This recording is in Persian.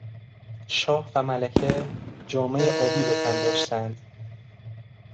شاه و ملکه جامهی آبی به تن داشتند.